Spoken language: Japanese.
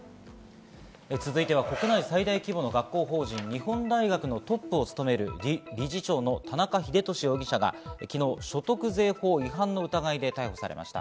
続いては、国内最大規模の学校法人、日本大学のトップを務める理事長の田中英壽容疑者が昨日、所得税法違反の疑いで逮捕されました。